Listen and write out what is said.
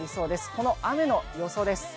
この雨の予想です。